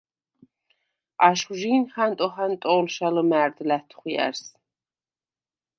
აშხვჟი̄ნ ჰანტო ჰანტო̄ლშა ლჷმა̈რდ ლა̈თხვიარს.